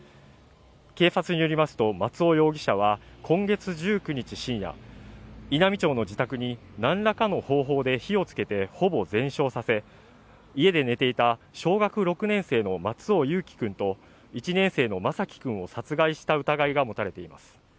警察によりますと松尾容疑者は今月１９日深夜稲美町の自宅に何らかの方法で火をつけてほぼ全焼させ家で寝ていた小学６年生の松尾侑城君と１年生の眞輝君を殺害した疑いが持たれています